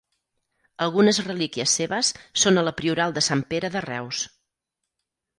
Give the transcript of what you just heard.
Algunes relíquies seves són a la Prioral de Sant Pere de Reus.